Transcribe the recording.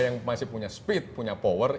yang masih punya speed punya power